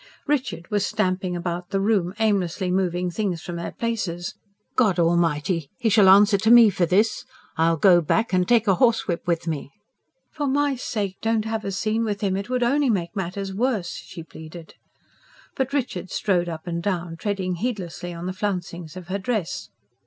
Richard was stamping about the room, aimlessly moving things from their places. "God Almighty! he shall answer to me for this. I'll go back and take a horsewhip with me." "For my sake, don't have a scene with him. It would only make matters worse," she pleaded. But Richard strode up and down, treading heedlessly on the flouncings of her dress.